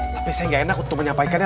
tapi saya gak enak untuk menyampaikannya